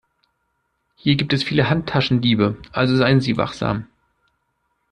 Hier gibt es viele Handtaschendiebe, also seien Sie wachsam.